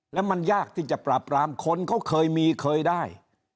แล้วมันยากที่จะปราบรามคนเขาเคยมีเคยได้